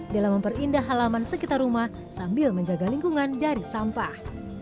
dalam memperindah halaman sekitar rumah sambil menjaga lingkungan dari sampah